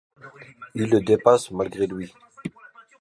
Il le dépasse malgré lui.